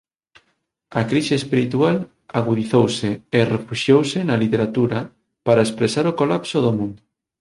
A crise espiritual agudizouse e refuxiouse na literatura para expresar o colapso do mundo.